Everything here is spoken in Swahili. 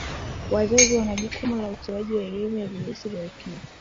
wazazi wana jukumu la utoaji wa elimu ya virusi vya ukimwi